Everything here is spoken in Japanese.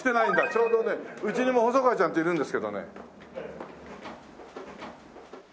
ちょうどねうちにも細川ちゃんっているんですけどね。